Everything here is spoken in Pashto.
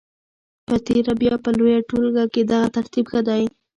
په تېره بیا په لویه ټولګه کې دغه ترتیب ښه دی.